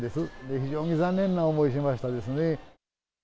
非常に残念な思いをしましたですね。